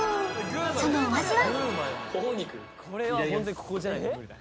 そのお味は？